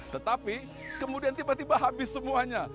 tetapi kemudian tiba tiba habis semuanya